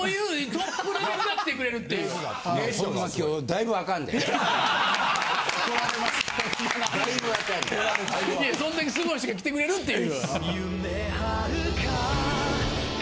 いやそんだけすごい人が来てくれるっていう。